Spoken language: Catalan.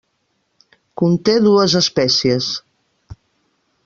Conté dues espècies.